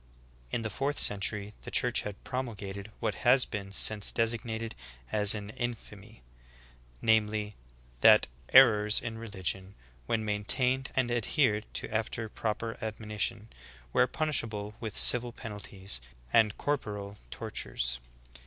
12. In the fourth century the Church had promulgated what has been since designated as an infamy, viz : that '*er ors in religion, when maintained and adhered to after prop er admonition, were punishable with civil penalties, and corporeal tortures."